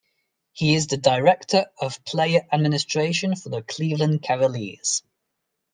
He is the Director of Player Administration for the Cleveland Cavaliers.